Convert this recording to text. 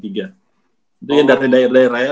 itu yang dari daerah daerah ya